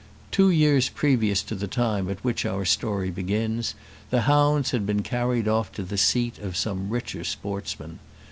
Two years previous to the time at which our story begins, the hounds had been carried off to the seat of some richer sportsman.